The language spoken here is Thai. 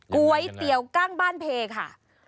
ก๋วยเตี๋ยวกั้งบ้านเพค่ะ